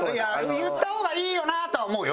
言った方がいいよなとは思うよ